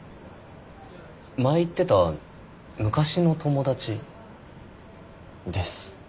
前言ってた昔の友達。です。